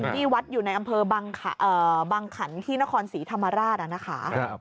ที่วัดอยู่ในอำเภอบางขันที่นครศรีธรรมราชนะคะ